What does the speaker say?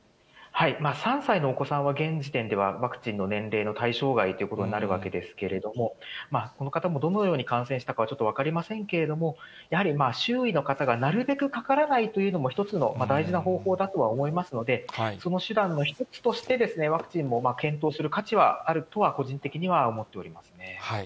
３歳のお子さんは現時点ではワクチンの年齢の対象外ということになるわけですけれども、この方もどのように感染したかはちょっと分かりませんけれども、やはり周囲の方がなるべくかからないというのも、一つの大事な方法だとは思いますので、その手段の一つとして、ワクチンも検討する価値はあるとは、個人的には思っておりますね。